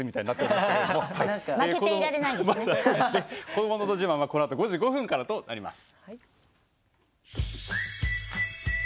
「こどものど自慢」はこのあと５時５分からとなります。